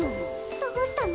どうしたの？